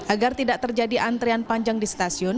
agar tidak terjadi antrian panjang di stasiun